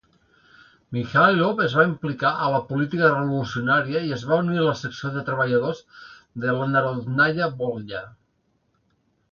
Mikhaylov es va implicar a la política revolucionària i es va unir a la Secció de Treballadors de la Narodnaya Volya.